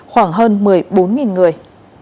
khoảng hơn một mươi bốn người